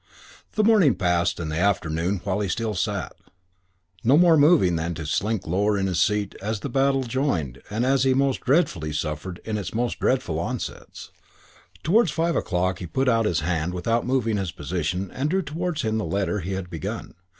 VII The morning passed and the afternoon while still he sat, no more moving than to sink lower in his seat as the battle joined and as he most dreadfully suffered in its most dreadful onsets. Towards five o'clock he put out his hand without moving his position and drew towards him the letter he had begun.